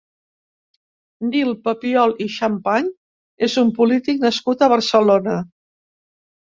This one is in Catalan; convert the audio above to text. Nil Papiol i Champagne és un polític nascut a Barcelona.